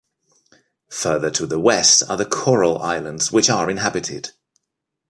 Further to the west are the coral islands which are inhabited.